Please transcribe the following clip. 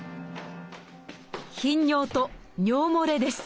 「頻尿」と「尿もれ」です